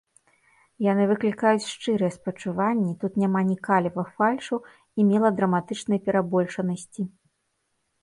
Яны выклікаюць шчырыя спачуванні, тут няма ні каліва фальшу і меладраматычнай перабольшанасці.